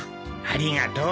ありがとう。